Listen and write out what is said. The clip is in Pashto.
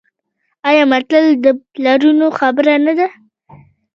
آیا متل د پلرونو خبره نه ده؟